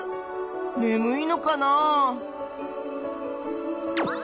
ねむいのかな？